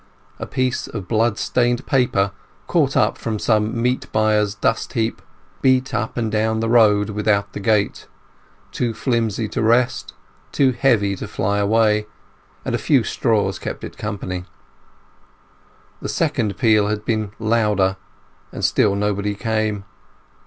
A piece of blood stained paper, caught up from some meat buyer's dust heap, beat up and down the road without the gate; too flimsy to rest, too heavy to fly away; and a few straws kept it company. The second peal had been louder, and still nobody came.